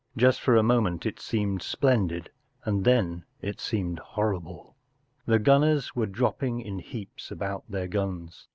Just for a moment it seemed splendid and then it seemed horrible. The gunners were dropping in heaps about their guns.